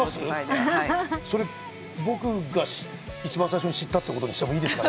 それ僕が一番最初に知ったってことにしてもいい？